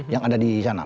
yang ada di sana